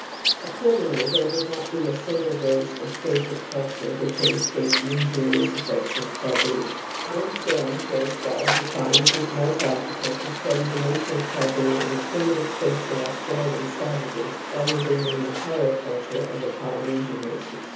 ..." Accordingly there would not be a single race or stage of culture which had escaped the injurious effects of taboo. Wundt then shows why he finds it more prac tical to study the nature of taboo in the primi tive states of Australian savages rather than in the higher culture of the Polynesian races.